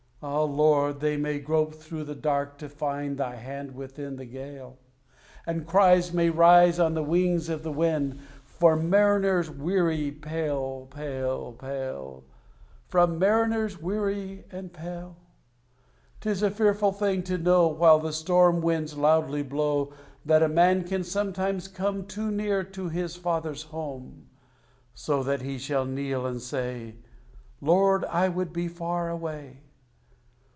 Ah, Lord! they may grope through the dark to find Thy hand within the gale; And cries may rise on the wings of the wind From mariners weary and pale, pale, pale From mariners weary and pale! 'Tis a fearful thing to know, While the storm winds loudly blow, That a man can sometimes come Too near to his father's home; So that he shall kneel and say, "Lord, I would be far away!"